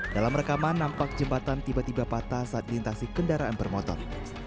dalam rekaman nampak jembatan tiba tiba patah saat dilintasi kendaraan bermotor